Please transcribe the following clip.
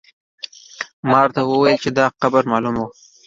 ما ورته وویل چې دا قبر معلوم و.